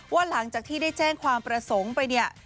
หลังจากที่ได้แจ้งความประสงค์ไปเนี่ย